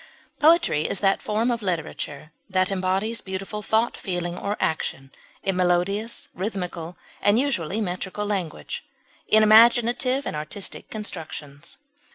Poetry is that form of literature that embodies beautiful thought, feeling, or action in melodious, rhythmical, and (usually) metrical language, in imaginative and artistic constructions.